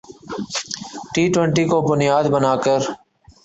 T twenty کو بنیاد بنا کر